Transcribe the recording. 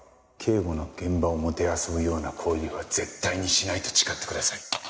警護の現場を弄ぶような行為は絶対にしないと誓ってください。